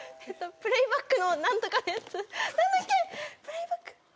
プレイバック？